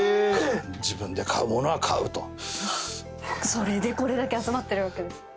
それでこれだけ集まってるわけですもんね。